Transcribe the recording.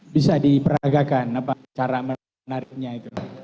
bisa diperagakan apa cara menariknya itu